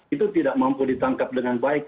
itu tidak mampu ditangkap dengan baik